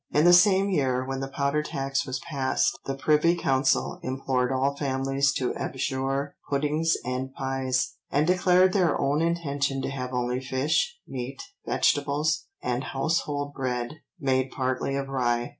In the same year when the powder tax was passed, the Privy Council "implored all families to abjure puddings and pies, and declared their own intention to have only fish, meat, vegetables, and household bread, made partly of rye.